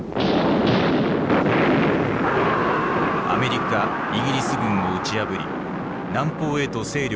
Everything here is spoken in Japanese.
アメリカイギリス軍を打ち破り南方へと勢力を拡大していく。